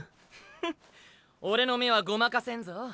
フッオレの目はごまかせんぞ。